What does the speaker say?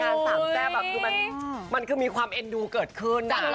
แล้วออกรายการสามแจ้บมันคือมีความเอ็นดูเกิดขึ้น